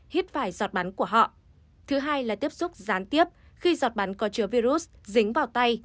hít phải giọt bắn của họ thứ hai là tiếp xúc gián tiếp khi giọt bắn có chứa virus dính vào tay